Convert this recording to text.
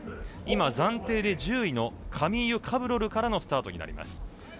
今、暫定で１０位のカミーユ・カブロルからのスタートになります。